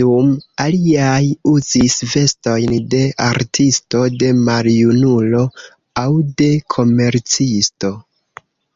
Dum aliaj uzis vestojn de artisto, de maljunulo aŭ de komercisto.